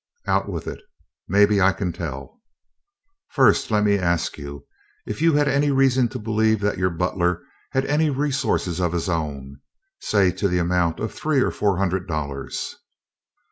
"Out with it; maybe I can tell." "First, let me ask if you had any reason to believe that your butler had any resources of his own, say to the amount of three or four hundred dollars?"